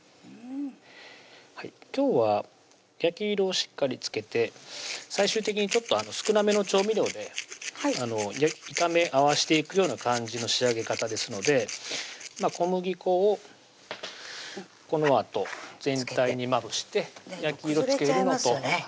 今日は焼き色をしっかりつけて最終的に少なめの調味料で炒め合わしていくような感じの仕上げ方ですので小麦粉をこのあと全体にまぶして崩れちゃいますよね